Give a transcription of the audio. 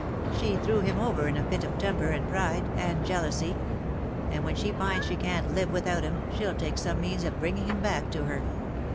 She threw him over in a fit of temper, and pride, and jealousy; and when she finds she can^t live without him she'll take some means of bringing him back to her.